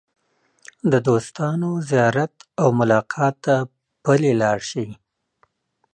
د دوستانو زیارت او ملاقات ته پلي لاړ شئ.